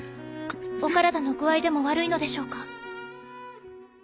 お体の具合でも悪いのでしょうか？